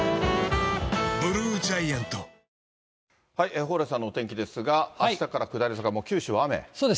蓬莱さんのお天気ですが、あしたから下り坂、そうです。